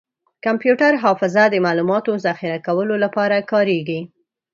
کمپیوټر حافظه د معلوماتو ذخیره کولو لپاره کارېږي.